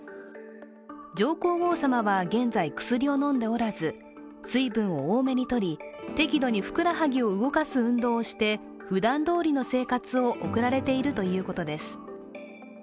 上皇后さまは、現在、薬を飲んでおらず水分を多めに取り、適度にふくらはぎを動かす運動をしてふだんどおりの生活を送られているということです。